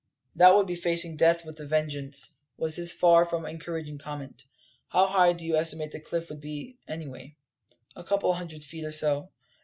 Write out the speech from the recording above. "That would be facing death with a vengeance," was his far from encouraging comment. "How high do you estimate the cliff to be, anyway?" "A couple of hundred feet or so."